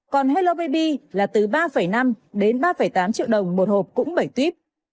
còn hello baby là từ ba năm ba tám triệu đồng một hộp cũng bảy tuyếp